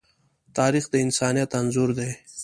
تاریخ د انسانیت انځور دی.